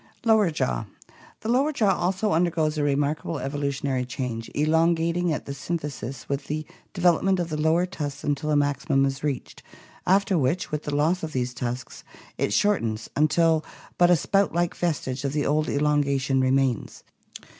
Lower Jaw. — The lower jaw also undergoes a remarkable evolu tionary change, elongating at the symphysis with the development of the lower tusks until a maximum is reached, after which, with the loss of these tusks, it shortens until but a spout like vestige of the old elongation remains.